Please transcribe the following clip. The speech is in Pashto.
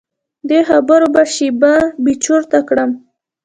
دې خبرو به شیبه بې چرته کړم.